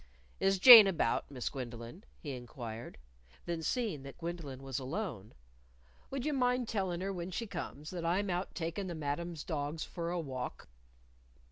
"Is Jane about, Miss Gwendolyn?" he inquired. Then, seeing that Gwendolyn was alone, "Would you mind tellin' her when she comes that I'm out takin' the Madam's dogs for a walk?"